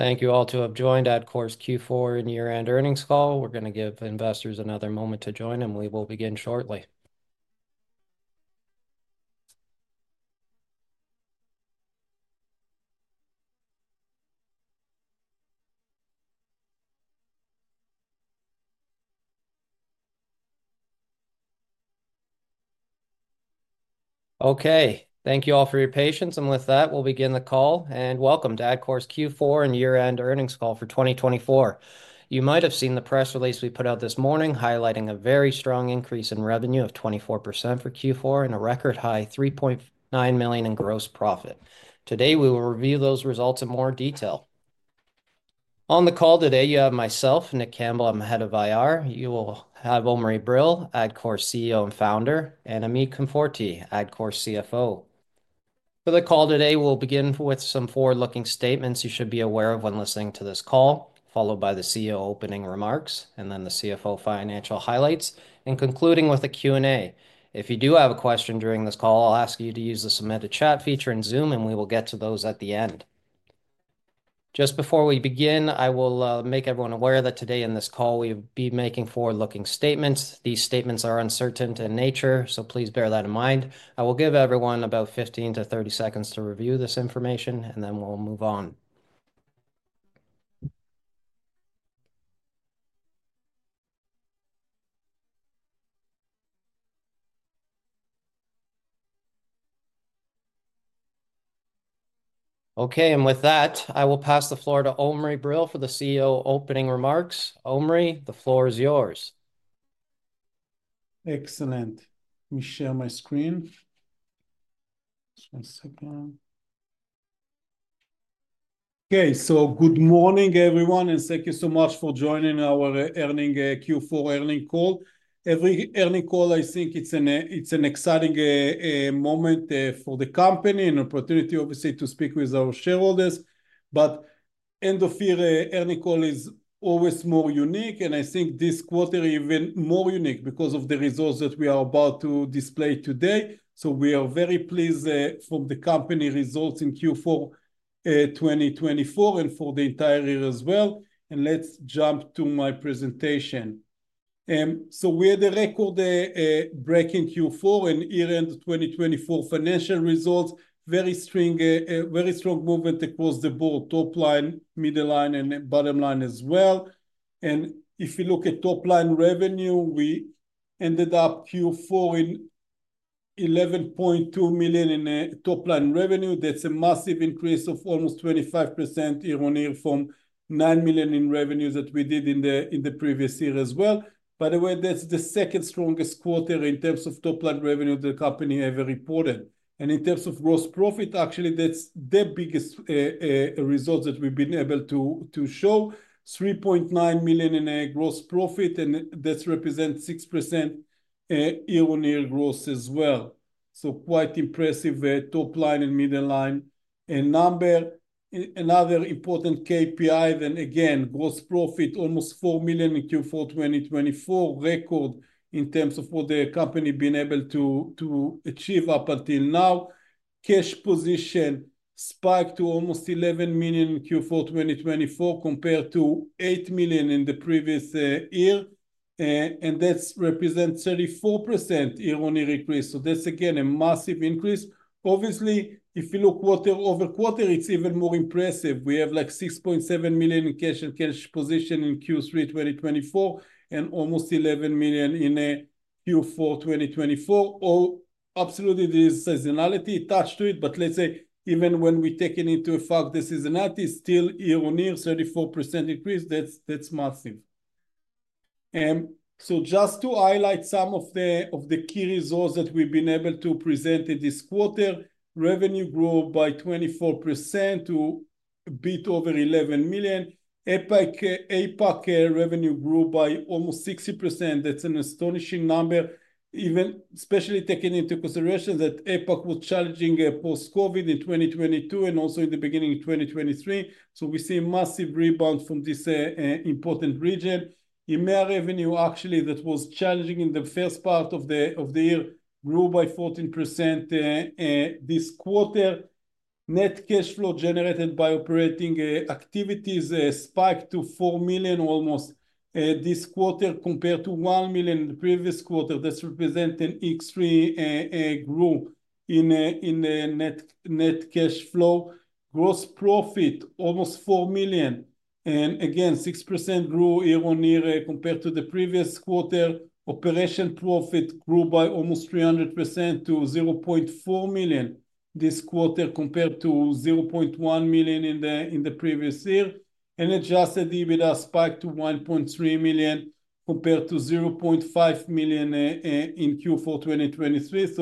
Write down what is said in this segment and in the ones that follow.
Thank you all to have joined Adcore's Q4 and year-end earnings call. We're going to give investors another moment to join, and we will begin shortly. Okay, thank you all for your patience, and with that, we'll begin the call. Welcome to Adcore's Q4 and year-end earnings call for 2024. You might have seen the press release we put out this morning highlighting a very strong increase in revenue of 24% for Q4 and a record high of 3.9 million in gross profit. Today, we will review those results in more detail. On the call today, you have myself, Nick Campbell. I'm Head of IR. You will have Omri Brill, Adcore CEO and founder, and Amit Konforty, Adcore CFO. For the call today, we'll begin with some forward-looking statements you should be aware of when listening to this call, followed by the CEO opening remarks, and then the CFO financial highlights, and concluding with a Q&A. If you do have a question during this call, I'll ask you to use the submitted chat feature in Zoom, and we will get to those at the end. Just before we begin, I will make everyone aware that today in this call, we will be making forward-looking statements. These statements are uncertain in nature, so please bear that in mind. I will give everyone about 15-30 seconds to review this information, and then we'll move on. Okay, and with that, I will pass the floor to Omri Brill for the CEO opening remarks. Omri, the floor is yours. Excellent. Let me share my screen. Just one second. Okay, so good morning, everyone, and thank you so much for joining our earning Q4 earnings call. Every earnings call, I think it's an exciting moment for the company and an opportunity, obviously, to speak with our shareholders. End of year, earnings call is always more unique, and I think this quarter even more unique because of the results that we are about to display today. We are very pleased from the company results in Q4 2024 and for the entire year as well. Let's jump to my presentation. We had a record-breaking Q4 and year-end 2024 financial results. Very strong movement across the board, top line, middle line, and bottom line as well. If you look at top line revenue, we ended up Q4 in 11.2 million in top line revenue. That's a massive increase of almost 25% year-on-year from 9 million in revenue that we did in the previous year as well. By the way, that's the second strongest quarter in terms of top line revenue the company ever reported. In terms of gross profit, actually, that's the biggest result that we've been able to show: 3.9 million in gross profit, and that represents 6% year-on-year growth as well. Quite impressive top line and middle line number. Another important KPI, then again, gross profit, almost 4 million in Q4 2024, record in terms of what the company has been able to achieve up until now. Cash position spiked to almost 11 million in Q4 2024 compared to 8 million in the previous year, and that represents 34% year-on-year increase. That's again a massive increase. Obviously, if you look quarter-over-quarter, it's even more impressive. We have like 6.7 million in cash and cash position in Q3 2024 and almost 11 million in Q4 2024. Absolutely, there is seasonality attached to it, but let's say even when we take it into effect, the seasonality is still year-on-year, 34% increase. That's massive. Just to highlight some of the key results that we've been able to present in this quarter, revenue grew by 24% to a bit over 11 million. APAC revenue grew by almost 60%. That's an astonishing number, especially taking into consideration that APAC was challenging post-COVID in 2022 and also in the beginning of 2023. We see a massive rebound from this important region. EMEA revenue, actually, that was challenging in the first part of the year grew by 14% this quarter. Net cash flow generated by operating activities spiked to 4 million almost this quarter compared to 1 million in the previous quarter. That is representing 3x growth in net cash flow. Gross profit, almost 4 million. Again, 6% growth year-on-year compared to the previous quarter. Operating profit grew by almost 300% to 0.4 million this quarter compared to 0.1 million in the previous year. Adjusted EBITDA spiked to 1.3 million compared to 0.5 million in Q4 2023.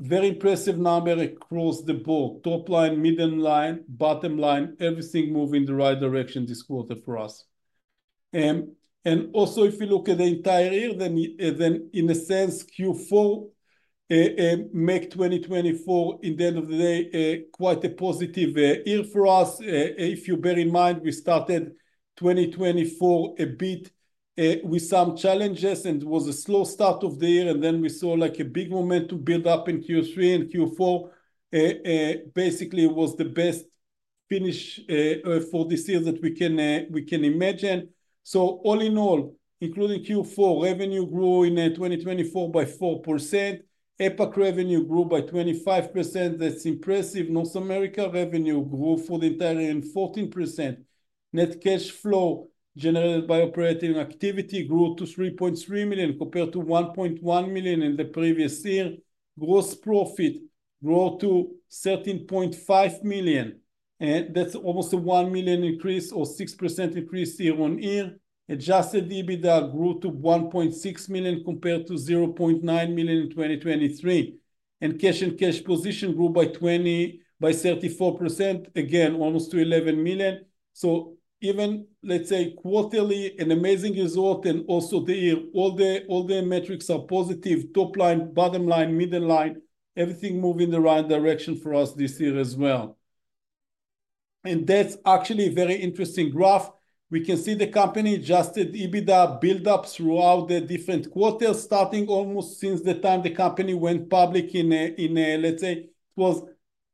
Very impressive numbers across the board. Top line, middle line, bottom line, everything moving in the right direction this quarter for us. Also, if you look at the entire year, then in a sense, Q4, made 2024, in the end of the day, quite a positive year for us. If you bear in mind, we started 2024 a bit with some challenges and it was a slow start of the year. Then we saw like a big momentum build up in Q3 and Q4. Basically, it was the best finish for this year that we can imagine. All in all, including Q4, revenue grew in 2024 by 4%. APAC revenue grew by 25%. That is impressive. North America revenue grew for the entire year in 14%. Net cash flow generated by operating activity grew to 3.3 million compared to 1.1 million in the previous year. Gross profit grew to 13.5 million. That is almost a 1 million increase or 6% increase year-on-year. Adjusted EBITDA grew to 1.6 million compared to 0.9 million in 2023. Cash and cash position grew by 34%, again, almost to 11 million. Even, let's say, quarterly, an amazing result. Also, the year, all the metrics are positive. Top line, bottom line, middle line, everything moving in the right direction for us this year as well. That is actually a very interesting graph. We can see the company Adjusted EBITDA build-up throughout the different quarters, starting almost since the time the company went public in, let's say, it was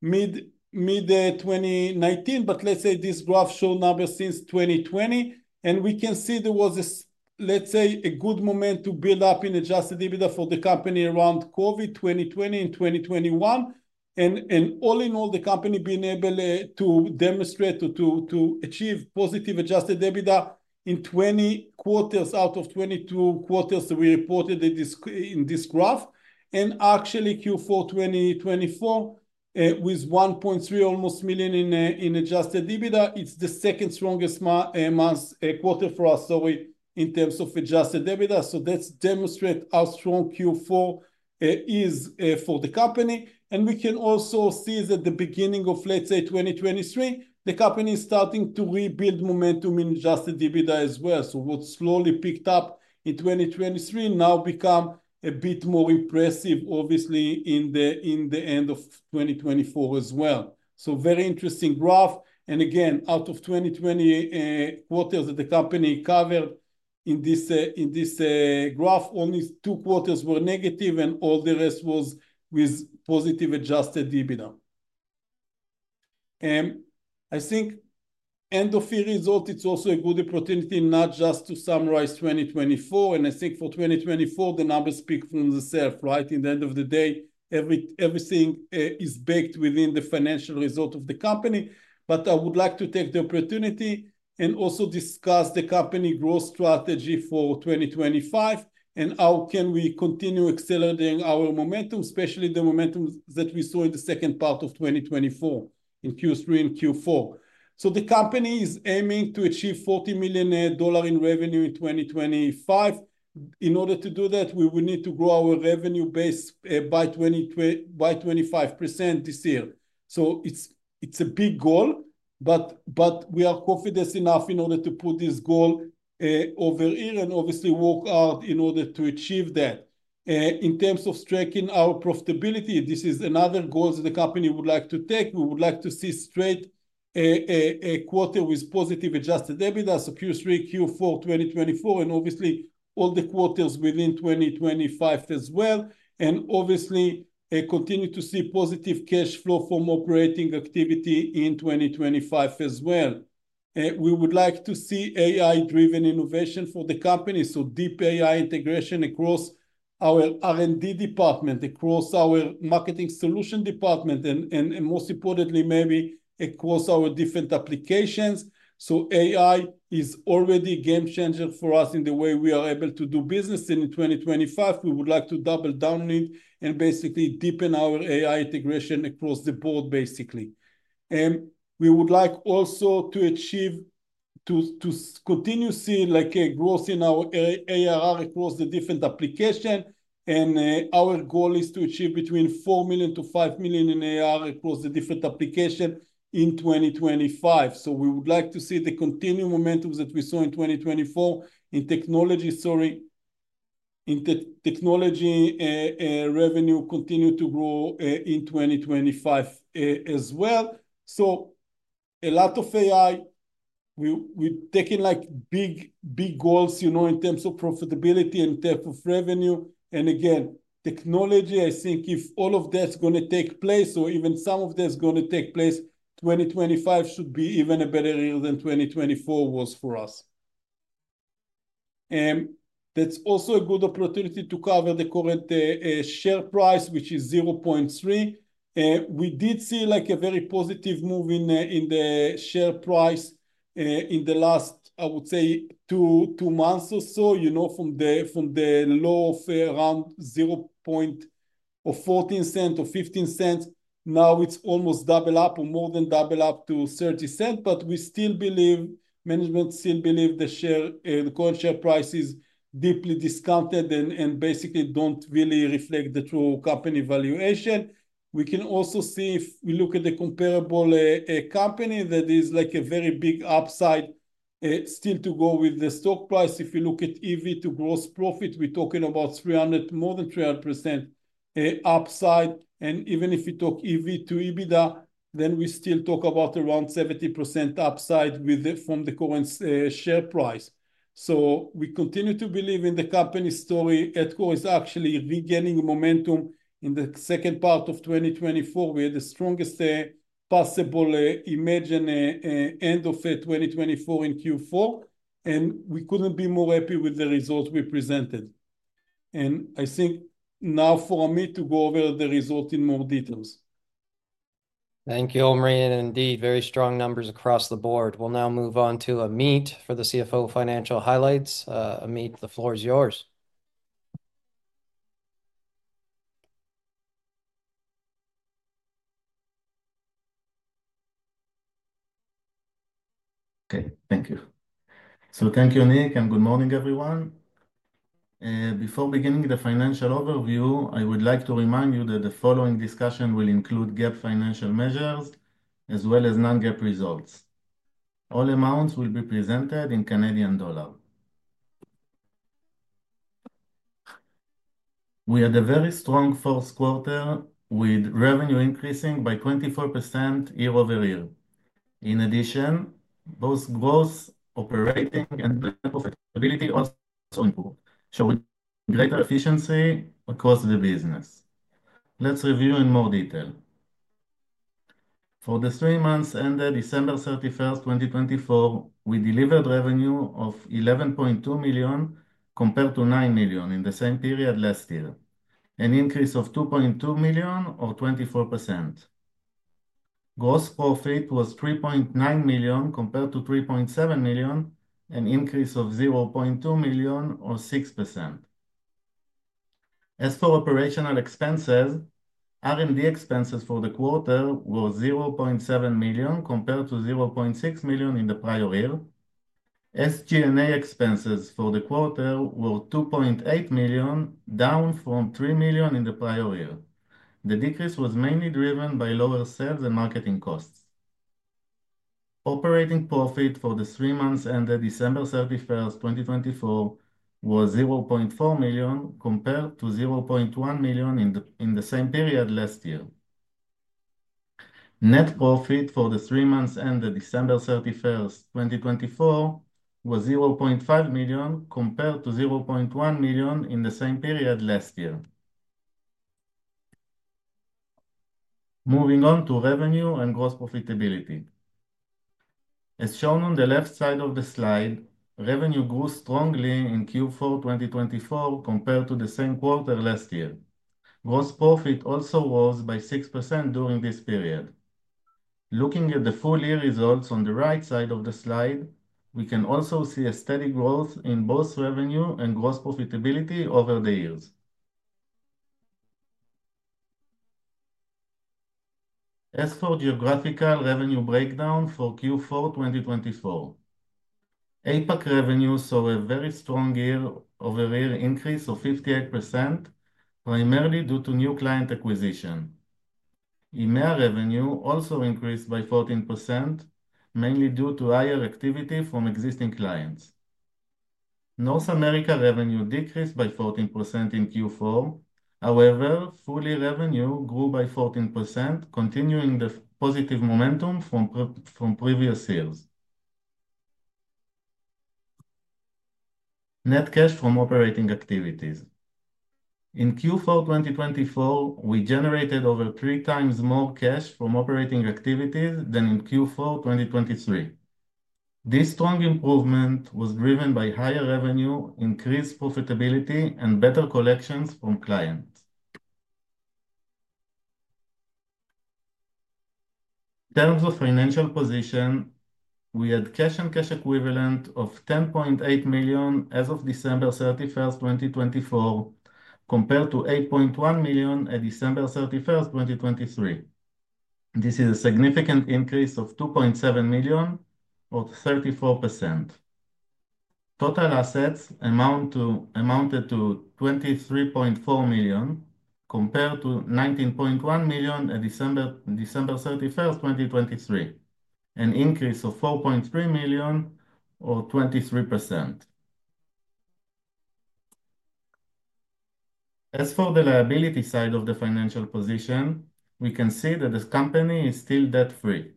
mid-2019. Let's say this graph shows numbers since 2020. We can see there was, let's say, a good moment to build up in Adjusted EBITDA for the company around COVID, 2020 and 2021. All in all, the company being able to demonstrate to achieve positive Adjusted EBITDA in 20 quarters out of 22 quarters that we reported in this graph. Actually, Q4 2024 with 1.3 million in Adjusted EBITDA, it's the second strongest quarter for us, sorry, in terms of Adjusted EBITDA. That demonstrates how strong Q4 is for the company. We can also see that the beginning of, let's say, 2023, the company is starting to rebuild momentum in Adjusted EBITDA as well. What slowly picked up in 2023 now becomes a bit more impressive, obviously, in the end of 2024 as well. Very interesting graph. Again, out of 20 quarters that the company covered in this graph, only two quarters were negative, and all the rest were with positive Adjusted EBITDA. I think end of year result, it's also a good opportunity not just to summarize 2024. I think for 2024, the numbers speak for themselves, right? In the end of the day, everything is baked within the financial result of the company. I would like to take the opportunity and also discuss the company growth strategy for 2025 and how can we continue accelerating our momentum, especially the momentum that we saw in the second part of 2024 in Q3 and Q4. The company is aiming to achieve 40 million dollar in revenue in 2025. In order to do that, we will need to grow our revenue base by 25% this year. It is a big goal, but we are confident enough in order to put this goal over here and obviously work hard in order to achieve that. In terms of striking our profitability, this is another goal that the company would like to take. We would like to see straight quarters with positive Adjusted EBITDA for Q3, Q4 2024, and obviously all the quarters within 2025 as well. Obviously, continue to see positive cash flow from operating activity in 2025 as well. We would like to see AI-driven innovation for the company, so deep AI integration across our R&D department, across our marketing solution department, and most importantly, maybe across our different applications. AI is already a game changer for us in the way we are able to do business. In 2025, we would like to double down on it and basically deepen our AI integration across the board, basically. We would like also to achieve to continue seeing like a growth in our ARR across the different applications. Our goal is to achieve between 4 million and 5 million in ARR across the different applications in 2025. We would like to see the continued momentum that we saw in 2024 in technology, sorry, in technology revenue continue to grow in 2025 as well. A lot of AI, we're taking like big goals in terms of profitability and type of revenue. Again, technology, I think if all of that's going to take place or even some of that's going to take place, 2025 should be even a better year than 2024 was for us. That's also a good opportunity to cover the current share price, which is 0.30. We did see like a very positive move in the share price in the last, I would say, two months or so, you know, from the low of around 0.14 or 0.15. Now it is almost double up or more than double up to $0.30, but we still believe, management still believe the current share price is deeply discounted and basically does not really reflect the true company valuation. We can also see if we look at the comparable company that is like a very big upside still to go with the stock price. If you look at EV to gross profit, we are talking about 300%, more than 300% upside. Even if you talk EV to EBITDA, then we still talk about around 70% upside from the current share price. We continue to believe in the company's story. Adcore is actually regaining momentum in the second part of 2024. We had the strongest possible imagined end of 2024 in Q4. We could not be more happy with the results we presented. I think now for Amit to go over the result in more details. Thank you, Omri. Indeed, very strong numbers across the board. We'll now move on to Amit for the CFO Financial Highlights. Amit, the floor is yours. Okay, thank you. Thank you, Nick, and good morning, everyone. Before beginning the financial overview, I would like to remind you that the following discussion will include GAAP financial measures as well as non-GAAP results. All amounts will be presented in CAD. We had a very strong fourth quarter with revenue increasing by 24% year-over-year. In addition, both gross operating and net profitability also improved, showing greater efficiency across the business. Let's review in more detail. For the three months ended December 31, 2024, we delivered revenue of 11.2 million compared to 9 million in the same period last year, an increase of 2.2 million or 24%. Gross profit was $3.9 million compared to $3.7 million, an increase of $0.2 million or 6%. As for operational expenses, R&D expenses for the quarter were $0.7 million compared to $0.6 million in the prior year. SG&A expenses for the quarter were $2.8 million, down from $3 million in the prior year. The decrease was mainly driven by lower sales and marketing costs. Operating profit for the three months ended December 31, 2024 was $0.4 million compared to $0.1 million in the same period last year. Net profit for the three months ended December 31, 2024 was $0.5 million compared to $0.1 million in the same period last year. Moving on to revenue and gross profitability. As shown on the left side of the slide, revenue grew strongly in Q4 2024 compared to the same quarter last year. Gross profit also rose by 6% during this period. Looking at the full year results on the right side of the slide, we can also see a steady growth in both revenue and gross profitability over the years. As for geographical revenue breakdown for Q4 2024, APAC revenue saw a very strong year-over-year increase of 58%, primarily due to new client acquisition. EMEA revenue also increased by 14%, mainly due to higher activity from existing clients. North America revenue decreased by 14% in Q4. However, full year revenue grew by 14%, continuing the positive momentum from previous years. Net cash from operating activities. In Q4 2024, we generated over three times more cash from operating activities than in Q4 2023. This strong improvement was driven by higher revenue, increased profitability, and better collections from clients. In terms of financial position, we had cash and cash equivalent of 10.8 million as of December 31st, 2024, compared to 8.1 million at December 31st, 2023. This is a significant increase of 2.7 million or 34%. Total assets amounted to 23.4 million compared to 19.1 million at December 31st, 2023, an increase of 4.3 million or 23%. As for the liability side of the financial position, we can see that the company is still debt-free.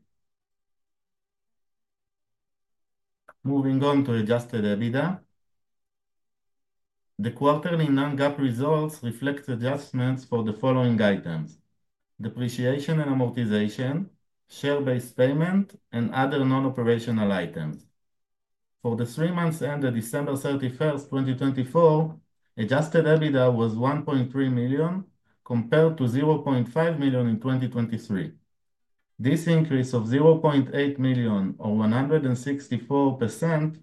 Moving on to Adjusted EBITDA, the quarterly non-GAAP results reflect adjustments for the following items: depreciation and amortization, share-based payment, and other non-operational items. For the three months ended December 31st, 2024, Adjusted EBITDA was 1.3 million compared to 0.5 million in 2023. This increase of 0.8 million or 164%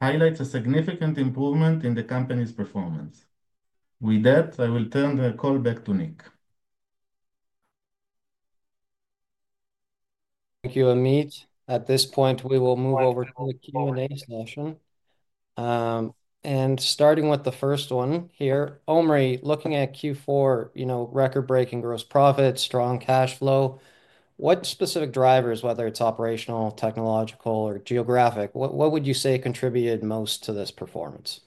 highlights a significant improvement in the company's performance. With that, I will turn the call back to Nick. Thank you, Amit. At this point, we will move over to the Q&A session. Starting with the first one here, Omri, looking at Q4, you know, record-breaking gross profits, strong cash flow, what specific drivers, whether it's operational, technological, or geographic, what would you say contributed most to this performance?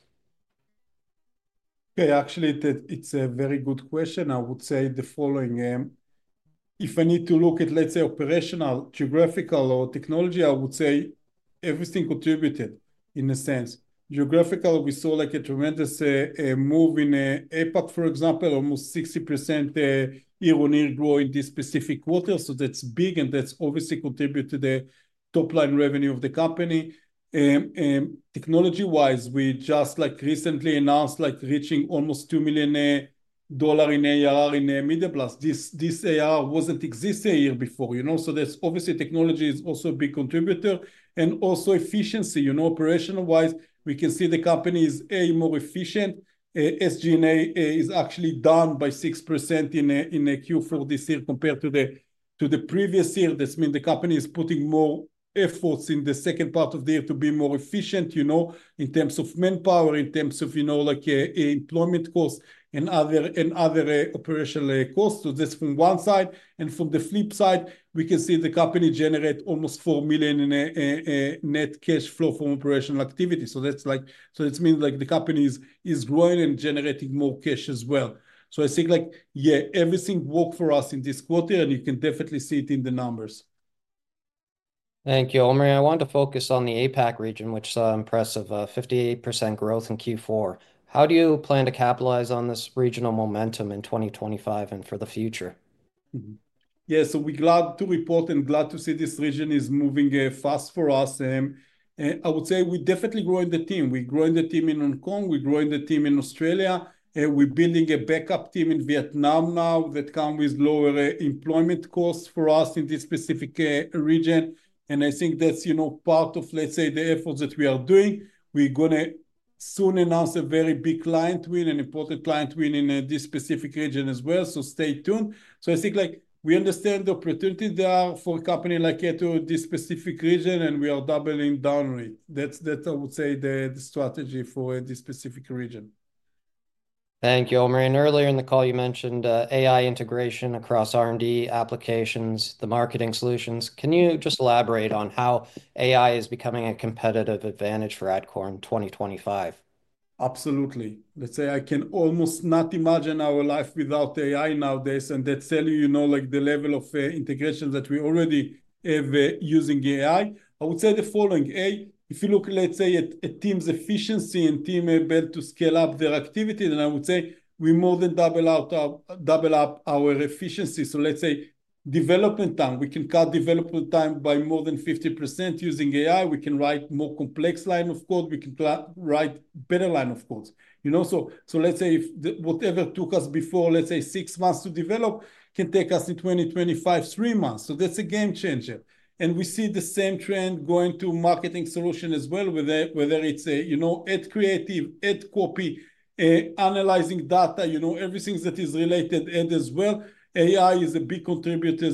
Okay, actually, it's a very good question. I would say the following. If I need to look at, let's say, operational, geographical, or technology, I would say everything contributed in a sense. Geographical, we saw like a tremendous move in APAC, for example, almost 60% year-on-year growth in this specific quarter. That is big, and that obviously contributed to the top-line revenue of the company. Technology-wise, we just like recently announced like reaching almost $2 million in ARR in MediaPlus. This ARR was not existing a year before, you know? That obviously, technology is also a big contributor. Also, efficiency, you know, operational-wise, we can see the company is, A, more efficient. SG&A is actually down by 6% in Q4 this year compared to the previous year. That means the company is putting more efforts in the second part of the year to be more efficient, you know, in terms of manpower, in terms of, you know, like employment costs and other operational costs. That is from one side. From the flip side, we can see the company generates almost 4 million in net cash flow from operational activity. That means, like, the company is growing and generating more cash as well. I think, like, yeah, everything worked for us in this quarter, and you can definitely see it in the numbers. Thank you, Omri. I want to focus on the APAC region, which is impressive: 58% growth in Q4. How do you plan to capitalize on this regional momentum in 2025 and for the future? Yeah, so we're glad to report and glad to see this region is moving fast for us. I would say we definitely grow in the team. We grow in the team in Hong Kong. We grow in the team in Australia. We're building a backup team in Vietnam now that comes with lower employment costs for us in this specific region. I think that's, you know, part of, let's say, the efforts that we are doing. We're going to soon announce a very big client win, an important client win in this specific region as well. Stay tuned. I think like we understand the opportunity there for a company like Adcore in this specific region, and we are doubling down on it. That's, that's I would say the strategy for this specific region. Thank you, Omri. Earlier in the call, you mentioned AI integration across R&D applications, the marketing solutions. Can you just elaborate on how AI is becoming a competitive advantage for Adcore in 2025? Absolutely. Let's say I can almost not imagine our life without AI nowadays. That's telling you, you know, like the level of integration that we already have using AI. I would say the following. A, if you look, let's say, at teams' efficiency and teams are able to scale up their activity, then I would say we more than double up our efficiency. Let's say development time, we can cut development time by more than 50% using AI. We can write more complex lines of code. We can write better lines of code. You know, let's say if whatever took us before, let's say, six months to develop can take us in 2025, three months. That's a game changer. We see the same trend going to marketing solutions as well, whether it's a, you know, ad creative, ad copy, analyzing data, you know, everything that is related as well. AI is a big contributor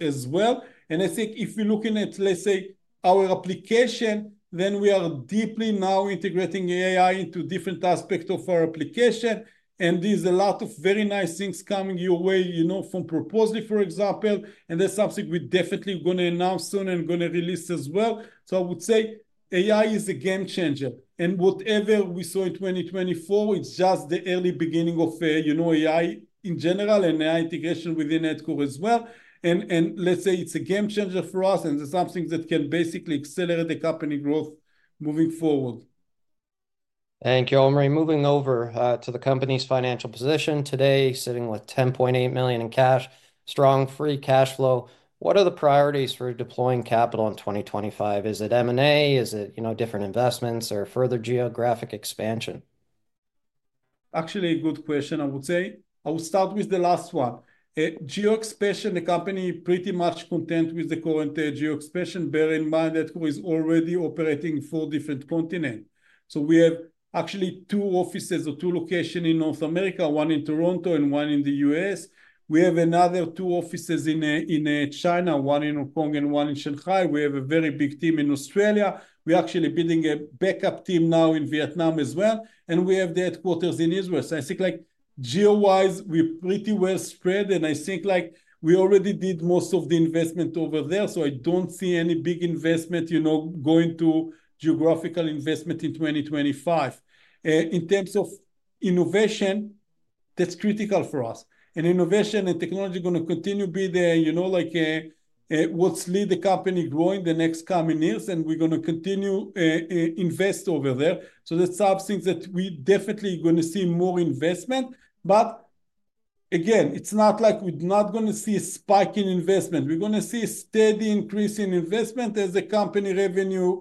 as well. I think if we're looking at, let's say, our application, then we are deeply now integrating AI into different aspects of our application. There's a lot of very nice things coming your way, you know, from Proposly, for example. That's something we're definitely going to announce soon and going to release as well. I would say AI is a game changer. Whatever we saw in 2024, it's just the early beginning of, you know, AI in general and AI integration within Adcore as well. Let's say it's a game changer for us. It's something that can basically accelerate the company growth moving forward. Thank you, Omri. Moving over to the company's financial position today, sitting with 10.8 million in cash, strong free cash flow. What are the priorities for deploying capital in 2025? Is it M&A? Is it, you know, different investments or further geographic expansion? Actually, a good question, I would say. I will start with the last one. geo-expansion, the company is pretty much content with the current geo-expansion. Bear in mind, Adcore is already operating in four different continents. We have actually two offices or two locations in North America, one in Toronto and one in the U.S. We have another two offices in China, one in Hong Kong and one in Shanghai. We have a very big team in Australia. We're actually building a backup team now in Vietnam as well. We have the headquarters in Israel. I think like geo-wise, we're pretty well spread. I think like we already did most of the investment over there. I don't see any big investment, you know, going to geographical investment in 2025. In terms of innovation, that's critical for us. Innovation and technology are going to continue to be there, you know, like what's led the company growing the next coming years. We're going to continue to invest over there. That's something that we're definitely going to see more investment. Again, it's not like we're not going to see a spike in investment. We're going to see a steady increase in investment as the company revenue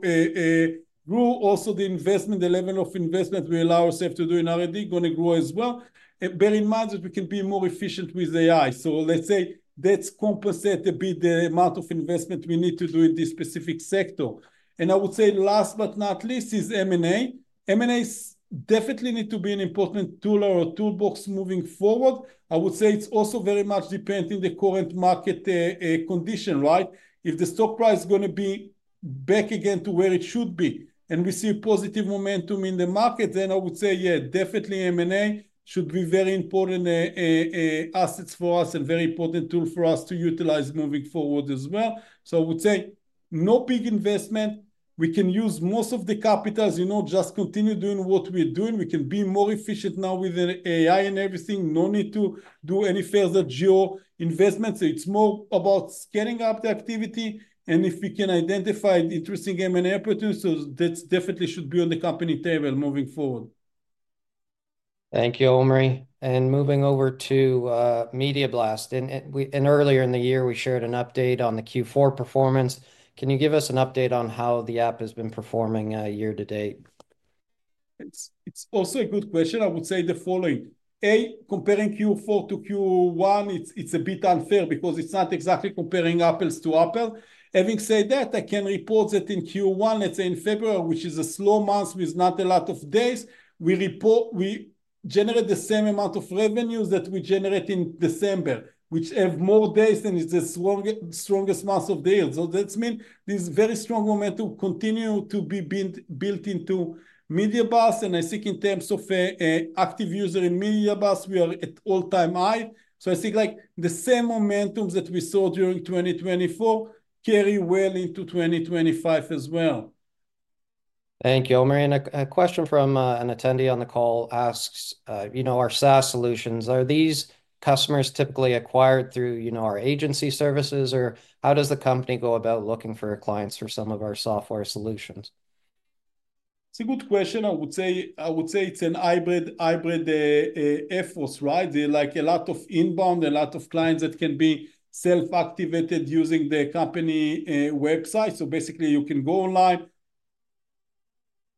grew. Also, the investment, the level of investment we allow ourselves to do in R&D is going to grow as well. Bear in mind that we can be more efficient with AI. Let's say that's compensated a bit the amount of investment we need to do in this specific sector. I would say last but not least is M&A. M&A definitely needs to be an important tool or a toolbox moving forward. I would say it's also very much dependent on the current market condition, right? If the stock price is going to be back again to where it should be and we see a positive momentum in the market, then I would say, yeah, definitely M&A should be very important assets for us and a very important tool for us to utilize moving forward as well. I would say no big investment. We can use most of the capital, you know, just continue doing what we're doing. We can be more efficient now with the AI and everything. No need to do any further geo investments. It's more about scaling up the activity. If we can identify interesting M&A opportunities, that definitely should be on the company table moving forward. Thank you, Omri. Moving over to MediaPlus. Earlier in the year, we shared an update on the Q4 performance. Can you give us an update on how the app has been performing year to date? It's also a good question. I would say the following. A, comparing Q4 to Q1, it's a bit unfair because it's not exactly comparing apples to apples. Having said that, I can report that in Q1, let's say in February, which is a slow month with not a lot of days, we report we generate the same amount of revenues that we generate in December, which has more days and is the strongest month of the year. That means this very strong momentum continues to be built into MediaPlus. I think in terms of active users in MediaPlus, we are at all-time high. I think the same momentum that we saw during 2024 carries well into 2025 as well. Thank you, Omri. A question from an attendee on the call asks, you know, our SaaS solutions, are these customers typically acquired through, you know, our agency services, or how does the company go about looking for clients for some of our software solutions? It's a good question. I would say it's a hybrid effort, right? There's like a lot of inbound, a lot of clients that can be self-activated using the company website. Basically, you can go online,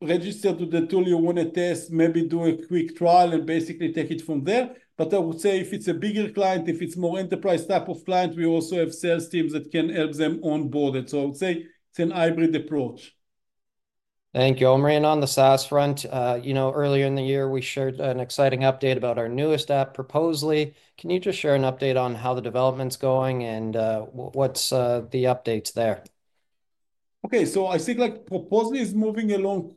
register to the tool you want to test, maybe do a quick trial, and basically take it from there. I would say if it's a bigger client, if it's more enterprise type of client, we also have sales teams that can help them onboard it. I would say it's a hybrid approach. Thank you, Omri. On the SaaS front, you know, earlier in the year, we shared an exciting update about our newest app, Proposly. Can you just share an update on how the development's going and what's the updates there? Okay, I think like Proposly is moving along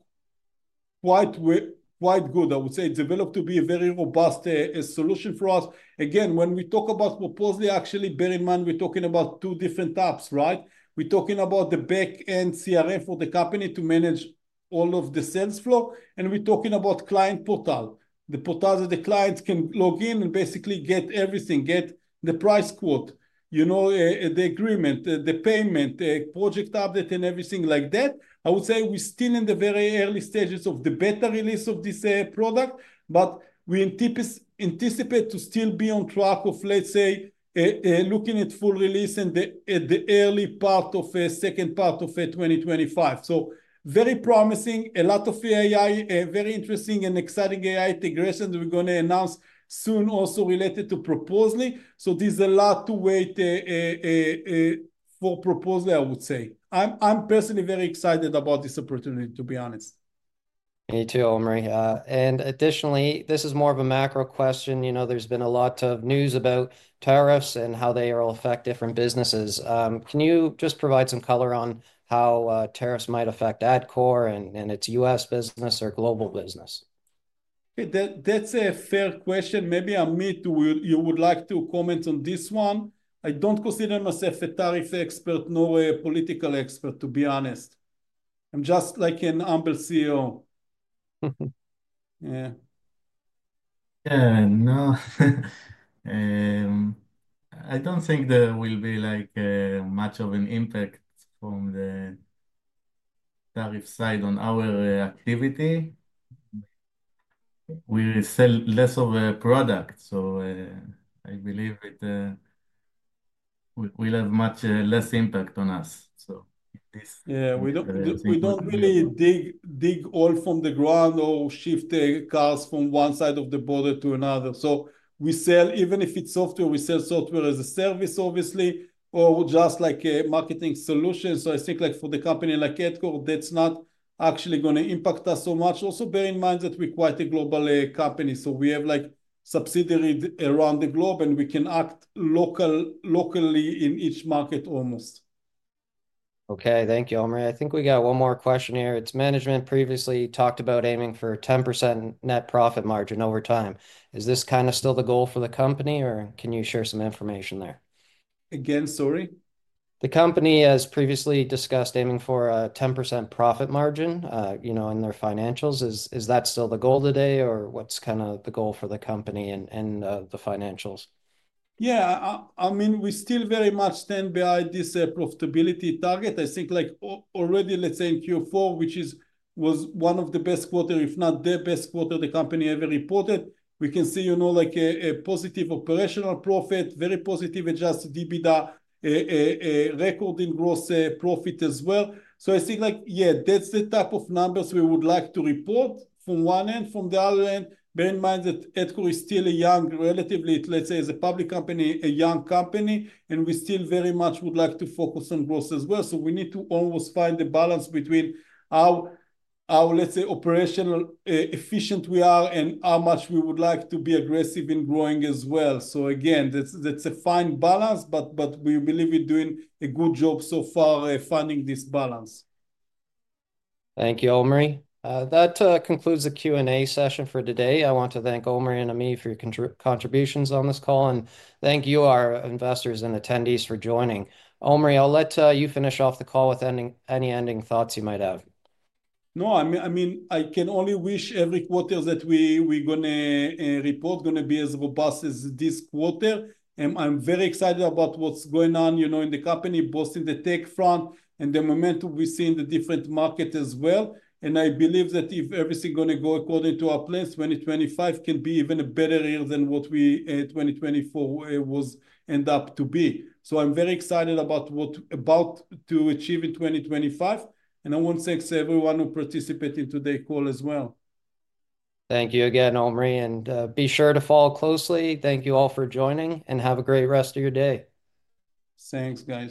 quite quite good. I would say it's developed to be a very robust solution for us. Again, when we talk about Proposly, actually, bear in mind we're talking about two different apps, right? We're talking about the back-end CRM for the company to manage all of the sales flow. And we're talking about client portal, the portal that the clients can log in and basically get everything, get the price quote, you know, the agreement, the payment, project update, and everything like that. I would say we're still in the very early stages of the beta release of this product, but we anticipate to still be on track of, let's say, looking at full release in the early part of the second part of 2025. Very promising, a lot of AI, very interesting and exciting AI integrations we're going to announce soon also related to Proposly. There's a lot to wait for Proposly, I would say. I'm personally very excited about this opportunity, to be honest. Me too, Omri. Additionally, this is more of a macro question. You know, there's been a lot of news about tariffs and how they will affect different businesses. Can you just provide some color on how tariffs might affect Adcore and its U.S. business or global business? Okay, that's a fair question. Maybe Amit would like to comment on this one. I don't consider myself a tariff expert nor a political expert, to be honest. I'm just like a humble CEO. Yeah. Yeah, no. I don't think there will be like much of an impact from the tariff side on our activity. We sell less of a product, so I believe it will have much less impact on us. In this, yeah, we don't really dig oil from the ground or shift the cars from one side of the border to another. We sell, even if it's software, we sell software as a service, obviously, or just like a marketing solution. I think like for a company like Adcore, that's not actually going to impact us so much. Also, bear in mind that we're quite a global company. We have like subsidiaries around the globe, and we can act locally in each market almost. Okay, thank you, Omri. I think we got one more question here. It's management previously talked about aiming for a 10% net profit margin over time. Is this kind of still the goal for the company, or can you share some information there? Again, sorry. The company has previously discussed aiming for a 10% profit margin, you know, in their financials. Is that still the goal today, or what's kind of the goal for the company and the financials? Yeah, I mean, we still very much stand behind this profitability target. I think like already, let's say in Q4, which was one of the best quarters, if not the best quarter the company ever reported, we can see, you know, like a positive operational profit, very positive, Adjusted EBITDA record in gross profit as well. I think like, yeah, that's the type of numbers we would like to report from one end, from the other end. Bear in mind that Adcore is still a young, relatively, let's say, as a public company, a young company, and we still very much would like to focus on growth as well. We need to almost find the balance between how, let's say, operationally efficient we are and how much we would like to be aggressive in growing as well. Again, that's a fine balance, but we believe we're doing a good job so far finding this balance. Thank you, Omri. That concludes the Q&A session for today. I want to thank Omri and Amit for your contributions on this call and thank you, our investors and attendees, for joining. Omri, I'll let you finish off the call with any ending thoughts you might have. No, I mean, I can only wish every quarter that we're going to report is going to be as robust as this quarter. I'm very excited about what's going on, you know, in the company, both in the tech front and the momentum we see in the different markets as well. I believe that if everything is going to go according to our plans, 2025 can be even better than what 2024 was ended up to be. I'm very excited about what about to achieve in 2025. I want to thank everyone who participated in today's call as well. Thank you again, Omri, and be sure to follow closely. Thank you all for joining and have a great rest of your day. Thanks, guys.